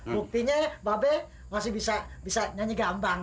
buktinya babel masih bisa nyanyi gambang